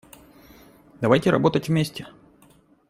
Давайте работать вместе.